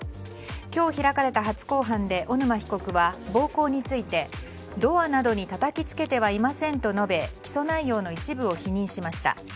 今日開かれた初公判で小沼被告は暴行について、ドアなどにたたきつけてはいませんと述べ起訴内容の一部を否認しました。